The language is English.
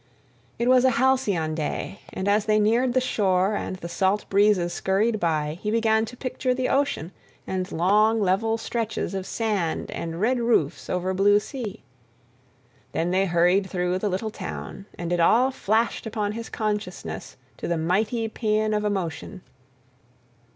It was a halcyon day, and as they neared the shore and the salt breezes scurried by, he began to picture the ocean and long, level stretches of sand and red roofs over blue sea. Then they hurried through the little town and it all flashed upon his consciousness to a mighty paean of emotion....